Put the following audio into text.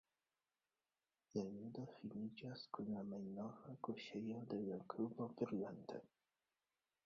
La ludo finiĝas kun la malnova kuŝejo de la klubo brulanta.